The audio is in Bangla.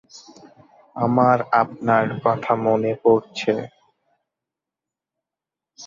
আমার আপনার কথা মনে পরছে।